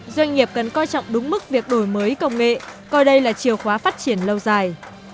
doanh nghiệp cần coi trọng đúng mức việc đổi mới công nghệ coi đây là chiều khóa phát triển lâu dài